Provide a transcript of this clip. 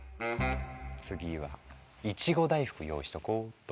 次はいちご大福用意しとこうっと。